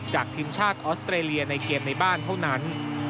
ทีมชาติออสเตรเลียในเกมในบ้านเท่านั้น